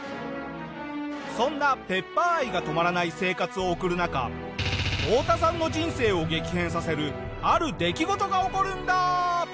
そんなペッパー愛が止まらない生活を送る中オオタさんの人生を激変させるある出来事が起こるんだ！